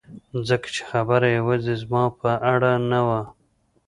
ځکه چې خبره یوازې زما په اړه نه وه